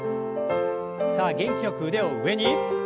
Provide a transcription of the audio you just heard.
さあ元気よく腕を上に。